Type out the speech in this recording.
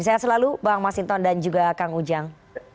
sehat selalu bang masinton dan juga kang ujang